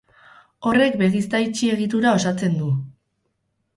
Horrek, begizta itxi egitura osatzen du.